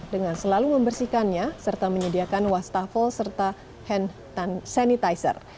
dengan selalu membersihkannya serta menyediakan wastafel serta hand sanitizer